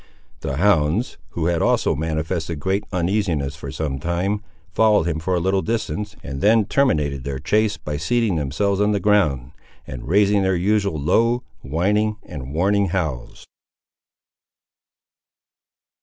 The hounds, who had also manifested great uneasiness for some time, followed him for a little distance, and then terminated their chase by seating themselves on the ground, and raising their usual low, whining, and warning howls.